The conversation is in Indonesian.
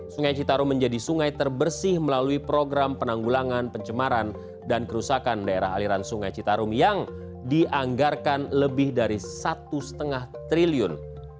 sungai citarum menjadi sungai terbersih melalui program penanggulangan pencemaran dan kerusakan daerah aliran sungai citarum yang dianggarkan lebih dari satu lima triliun